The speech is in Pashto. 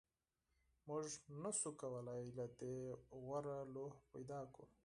موږ نشوای کولی له دې غوره لوحه پیدا کړو